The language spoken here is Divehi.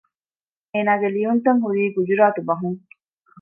އޭނާގެ ލިޔުންތައް ހުރީ ގުޖުރާތު ބަހުން